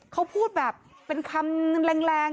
เขาพูดแบบเป็นคำแรง